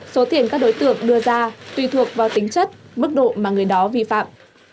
số tiền các đối tượng đưa ra tùy thuộc vào tính chất mức độ mà người đó vi phạm